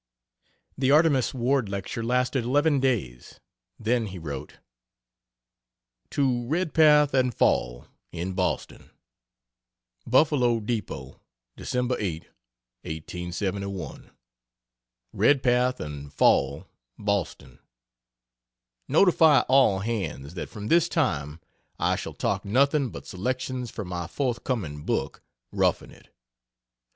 The Artemus Ward lecture lasted eleven days, then he wrote: To Redpath and Fall, in Boston: BUFFALO DEPOT, Dec. 8, 1871. REDPATH & FALL, BOSTON, Notify all hands that from this time I shall talk nothing but selections from my forthcoming book "Roughing It."